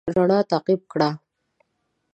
رڼا تعقيب کړه.